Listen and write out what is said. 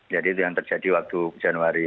jadi itu yang terjadi waktu januari